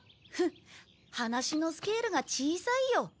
フッ話のスケールが小さいよ。